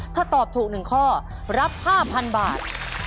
ถ้าตอบถูก๑ข้อรับ๕๐๐๐บาท